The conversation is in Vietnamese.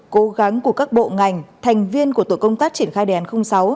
cố gắng của các bộ ngành thành viên của tổ công tác triển khai đề án sáu